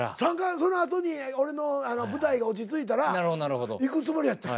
そのあとに俺の舞台が落ち着いたら行くつもりやってん。